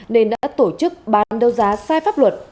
nên đã tổ chức bán đấu giá sai pháp luật